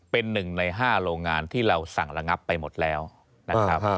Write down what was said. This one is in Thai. เป็นหนึ่งใน๕โรงงานที่เราสั่งระงับไปหมดแล้วนะครับ